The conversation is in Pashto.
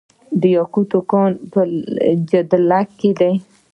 د یاقوت کان په جګدلک کې دی